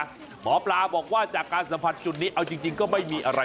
หมอปลาบอกว่าจากการสัมผัสจุดนี้เอาจริงก็ไม่มีอะไร